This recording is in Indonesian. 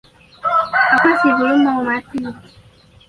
Aku masih belum mau mati.